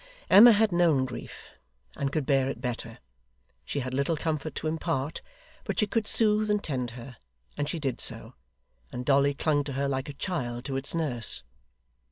Emma had known grief, and could bear it better. She had little comfort to impart, but she could soothe and tend her, and she did so; and Dolly clung to her like a child to its nurse.